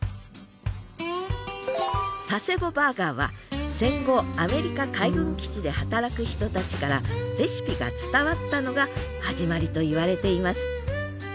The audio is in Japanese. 佐世保バーガーは戦後アメリカ海軍基地で働く人たちからレシピが伝わったのが始まりといわれています